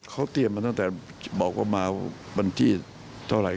เขาเตรียมมาตั้งแต่บอกว่ามาวันที่เท่าไหร่